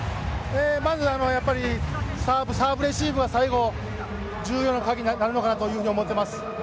まずサーブレシーブが最後、重要な鍵になるのかなと思っています。